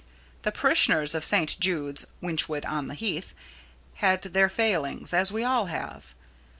The parishioners of St. Jude's, Wychwood on the Heath, had their failings, as we all have.